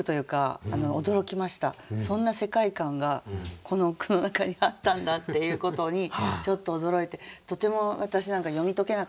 そんな世界観がこの句の中にあったんだっていうことにちょっと驚いてとても私なんか読み解けなかったんですけど